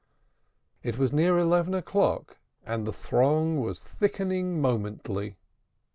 It was near eleven o'clock, and the throng was thickening momently.